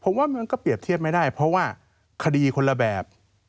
ผมว่ามันก็เปรียบเทียบไม่ได้เพราะว่าคดีคนละแบบ